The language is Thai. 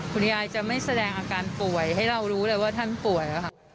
คุณยายจะไม่แสดงอาการป่วยให้เรารู้เลยว่าท่านป่วยค่ะ